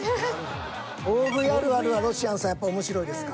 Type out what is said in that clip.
大食いあるあるはロシアンさんやっぱ面白いですか？